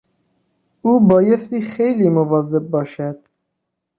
او بایستی خیلی مواظب باشد.